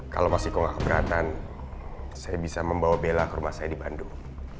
kalau mas eko nggak keberatan saya bisa membawa bela ke rumah saya di bandung